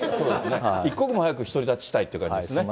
一刻も早く一人立ちしたいという感じですね。